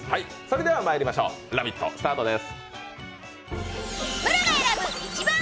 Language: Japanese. まいりましょう、「ラヴィット！」スタートです。